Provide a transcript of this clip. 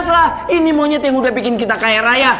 lah ini monyet yang udah bikin kita kaya raya